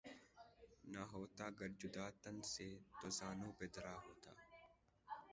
نہ ہوتا گر جدا تن سے تو زانو پر دھرا ہوتا